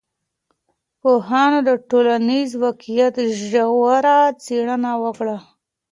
پوهانو د ټولنیز واقعیت ژوره څېړنه وکړه.